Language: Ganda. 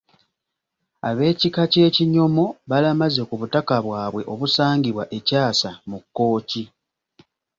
Ab’ekika ky’Ekinyomo balamaze ku butaka bwabwe obusangibwa e Kyasa mu Kkooki.